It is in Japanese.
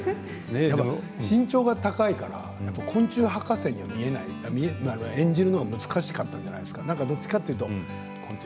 身長が高いから昆虫博士に見えないというか演じるのは難しかったんじゃないですか？